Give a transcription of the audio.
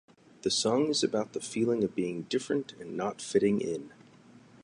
The song is about the feeling of being different and not fitting in.